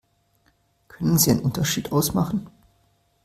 Können Sie einen Unterschied ausmachen?